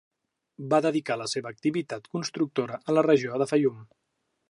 Va dedicar la seva activitat constructora a la regió de Faium.